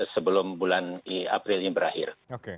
sebelum bulan april ini berakhir